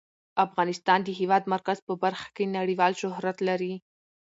افغانستان د د هېواد مرکز په برخه کې نړیوال شهرت لري.